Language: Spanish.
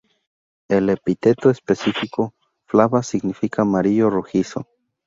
El epíteto específico "flava" significa "amarillo rojizo"